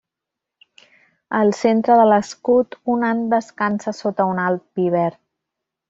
Al centre de l'escut un ant descansa sota un alt pi verd.